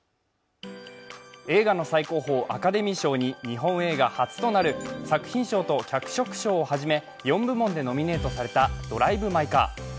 映画の最高峰、アカデミー賞に日本映画初となる作品賞と脚色賞をはじめ、４部門でノミネートされた「ドライブ・マイ・カー」。